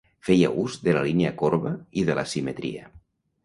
Feia ús de la línia corba i de l'asimetria.